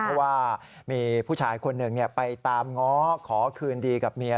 เพราะว่ามีผู้ชายคนหนึ่งไปตามง้อขอคืนดีกับเมีย